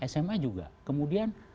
sma juga kemudian